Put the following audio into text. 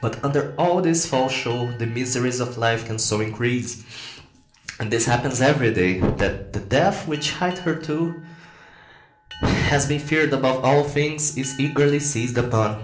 But under all this false show, the miseries of life can so increase—and this happens every day—that the death which hitherto has been feared above all things is eagerly seized upon.